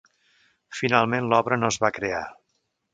Finalment l'obra no es va crear.